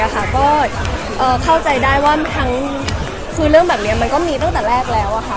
ก็เข้าใจได้ว่าคือเรื่องแบบนี้มันก็มีตั้งแต่แรกแล้วค่ะ